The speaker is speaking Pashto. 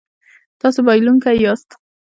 تاسو بایلونکی یاست